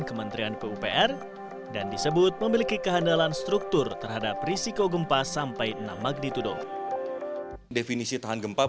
pembangunan rumah ini juga memiliki kehandalan struktur terhadap risiko gempa sampai enam magdi tudung